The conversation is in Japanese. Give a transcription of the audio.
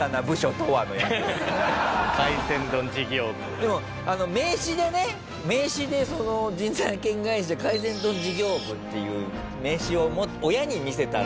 でも名刺でね名刺で「人材派遣会社海鮮丼事業部」っていう名刺を親に見せたら。